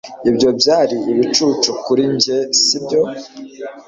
Ibyo byari ibicucu kuri njye sibyo